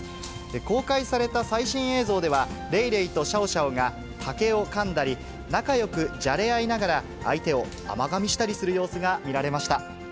公開された最新映像では、レイレイとシャオシャオが竹をかんだり、仲よくじゃれ合いながら、相手を甘がみしたりする様子が見られました。